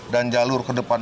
dan jalur ke depan